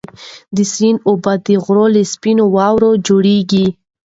د سیند اوبه د غره له سپینو واورو جوړېږي.